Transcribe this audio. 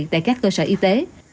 tại các cơ sở y tế